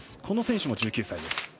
この選手も１９歳。